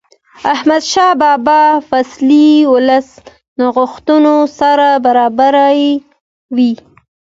احمدشاه بابا فیصلې د ولس د غوښتنو سره برابرې وې.